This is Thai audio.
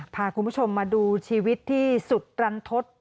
พาคุณผู้ชมมาดูชีวิตที่สุดตรันทศ